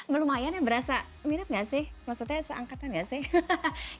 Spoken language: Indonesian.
lumayan ya berasa mirip gak sih maksudnya seangkatan gak sih